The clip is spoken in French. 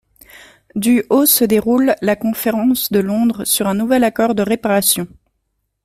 Du au se déroule la conférence de Londres sur un nouvel accord de réparations.